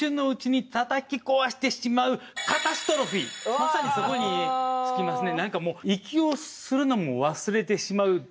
まさにそこに尽きますね。